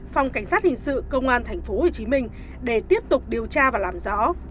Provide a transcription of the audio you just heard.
phòng cảnh sát hình sự công an tp hcm để tiếp tục điều tra và làm rõ